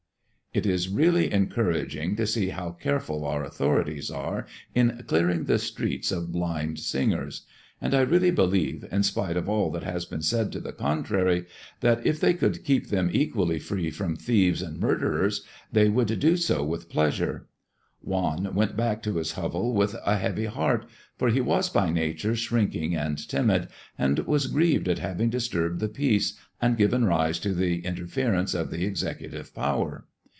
It is really encouraging to see how careful our authorities are in clearing the streets of blind singers; and I really believe, in spite of all that has been said to the contrary, that if they could keep them equally free from thieves and murderers, they would do so with pleasure. Juan went back to his hovel with a heavy heart, for he was by nature shrinking and timid, and was grieved at having disturbed the peace and given rise to the interference of the executive power.